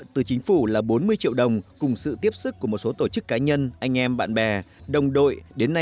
từ chính phủ là bốn mươi triệu đồng cùng sự tiếp sức của một số tổ chức cá nhân anh em bạn bè đồng đội đến nay